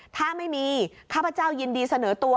ถ้าไม่มีข้าพเจ้ายินดีเสนอตัว